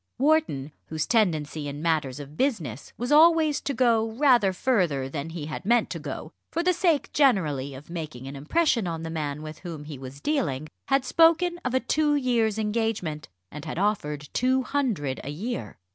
Wharton, whose tendency in matters of business was always to go rather further than he had meant to go, for the sake generally of making an impression on the man with whom he was dealing, had spoken of a two years' engagement, and had offered two hundred a year.